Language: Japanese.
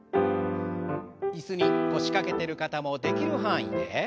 椅子に腰掛けてる方もできる範囲で。